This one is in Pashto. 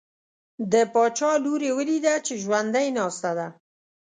د باچا لور یې ولیده چې ژوندی ناسته ده.